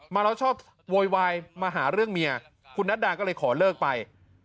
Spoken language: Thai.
มาแล้วชอบโวยวายมาหาเรื่องเมียคุณนัดดาก็เลยขอเลิกไป